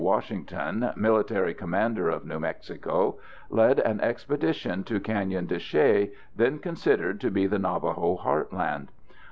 Washington, military commander of New Mexico, led an expedition to Canyon de Chelly, then considered to be the Navajo heartland.